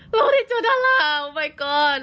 เราได้เจอดาราส์โอบายก๊อนด์